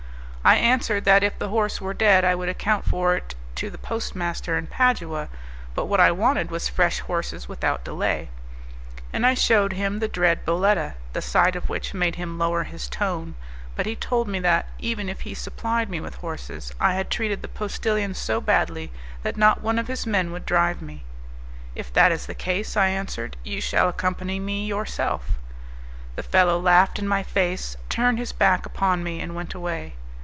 I answered that if the horse were dead I would account for it to the postmaster in Padua, but what I wanted was fresh horses without delay. And I shewed him the dread 'bolletta', the sight of which made him lower his tone; but he told me that, even if he supplied me with horses, I had treated the postillion so badly that not one of his men would drive me. "If that is the case," I answered, "you shall accompany me yourself." The fellow laughed in my face, turned his back upon me, and went away.